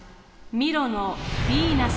ミロのヴィーナス。